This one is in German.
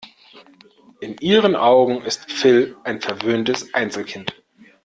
In ihren Augen ist Phil ein verwöhntes Einzelkind.